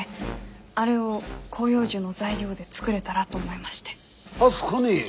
あれを広葉樹の材料で作れたらと思いまして。